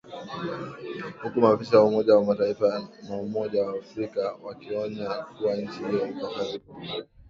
huku maafisa wa Umoja wa Mataifa na Umoja wa Afrika wakionya kuwa nchi hiyo iko hatarini